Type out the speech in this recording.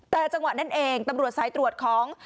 แต่จังหวะนั้นเองตำรวจสายตรวจของ